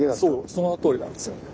そのとおりなんですよね。